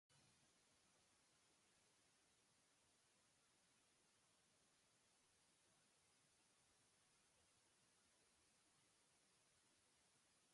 He is recognised and "all the tables are closed" to Jake and company.